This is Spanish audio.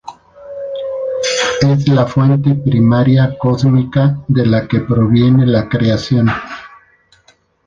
Es la fuente primaria cósmica de la que proviene la creación.